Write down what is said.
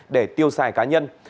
để tiêu xài cá nhân